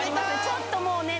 ちょっともうね